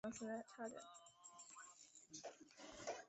椭圆叶花锚为龙胆科花锚属下的一个种。